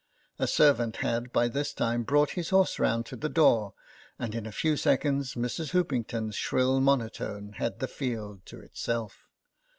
A servant had by this time brought his horse round to the door, and in a few seconds Mrs. Hoopington's shrill mono tone had the field to itself.